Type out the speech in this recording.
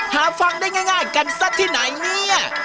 หาฟังได้ง่ายกันซะที่ไหนเนี่ย